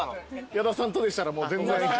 矢田さんとでしたら全然。